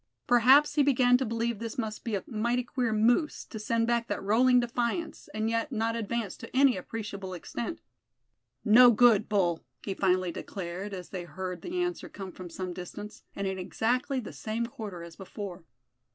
Perhaps he began to believe this must be a mighty queer moose, to send back that rolling defiance, and yet not advance to any appreciable extent. "No good, bull!" he finally declared, as they heard the answer come from some distance, and in exactly the same quarter as before.